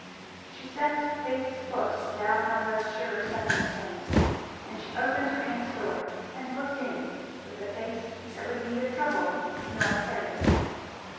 She set faith's foot down on those sure stepping stones; and she opened her aunt's door and looked in with a face that was neither troubled nor afraid.